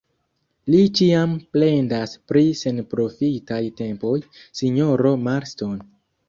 Li ĉiam plendas pri senprofitaj tempoj, sinjoro Marston.